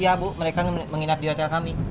iya bu mereka menginap di hotel kami